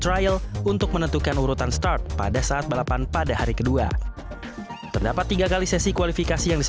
trial untuk menentukan urutan start pada saat balapan pada hari kedua terdapat tiga kali sesi kualifikasi yang di